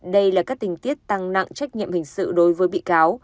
đây là các tình tiết tăng nặng trách nhiệm hình sự đối với bị cáo